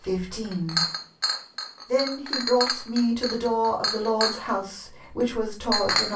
15: 'Then he brought me to the door of the Lord's House, which was towards the N.